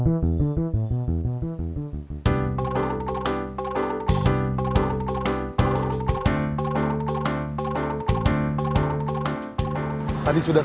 beberapa private service yang kita fake